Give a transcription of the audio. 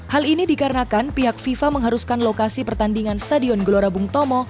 hal ini dikarenakan pihak fifa mengharuskan lokasi pertandingan stadion gelora bung tomo